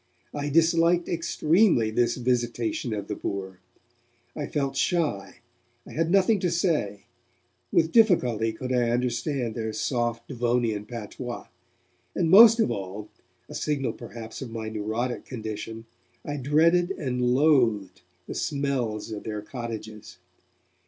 I disliked extremely this visitation of the poor. I felt shy, I had nothing to say, with difficulty could I understand their soft Devonian patois, and most of all a signal perhaps of my neurotic condition I dreaded and loathed the smells of their cottages.